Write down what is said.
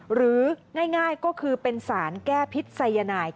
หรือง่ายก็คือเป็นสารแก้พิษัยนาย